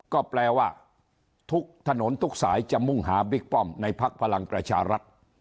ก็แปลว่าทุกถนนทุกสายจะมุ่งหาบิ๊กป้อมในพักพลังประชารัฐ